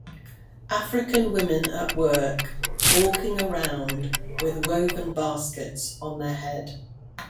African women at work walking around with woven baskets on their head